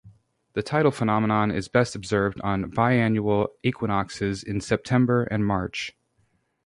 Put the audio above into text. The tidal phenomenon is best observed on biannual equinoxes in September and March.